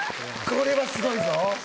これはすごいぞ！